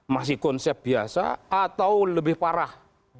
masih konsep biasa atau lebih parah